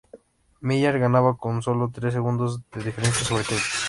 Millar ganaba con solo tres segundos de diferencia sobre Kelly.